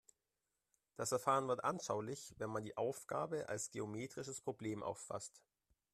Das Verfahren wird anschaulich, wenn man die Aufgabe als geometrisches Problem auffasst.